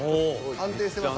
安定してます。